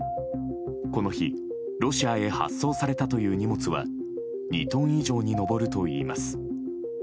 この日、ロシアへ発送されたという荷物は２トン以上に上るといいます。